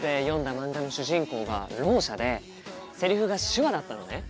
漫画の主人公がろう者でセリフが手話だったのね。